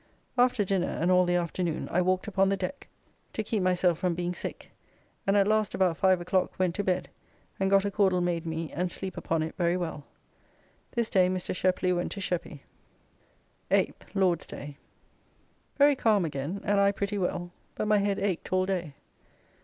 After dinner, and all the afternoon I walked upon the deck to keep myself from being sick, and at last about five o'clock, went to bed and got a caudle made me, and sleep upon it very well. This day Mr. Sheply went to Sheppy. 8th (Lord's day). Very calm again, and I pretty well, but my head aked all day.